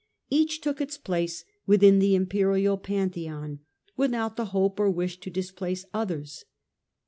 Each took its place within the imperial Pantheon, without the hope or wish to displace others.